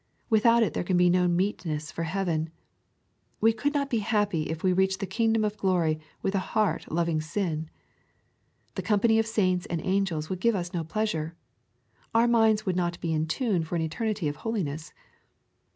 — Without it there can be no meetness for heaven. We could not be happy if we reached the kingdom of glory with a heart loving sin. The company of saints and angels would give us no pleasure. Our minds would not be in tune for an eternity of holiness.